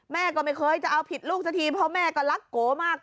แม่ก็ไม่เคยจะเอาผิดลูกสักทีเพราะแม่ก็รักโกมาก